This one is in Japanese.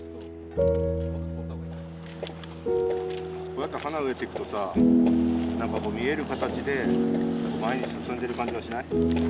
こうやって花植えていくとさなんかこう見える形で前に進んでる感じがしない？